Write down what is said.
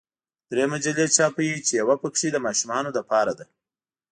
درې مجلې چاپوي چې یوه پکې د ماشومانو لپاره ده.